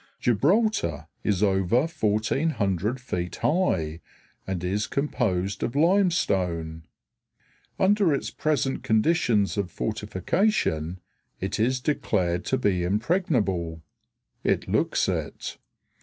Gibraltar is over 1,400 feet high and is composed of limestone. Under its present conditions of fortification it is declared to be impregnable. It looks it.